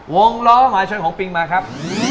วงร้อหมาชนของปิงมาครับ